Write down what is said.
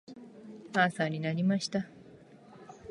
朝になりました。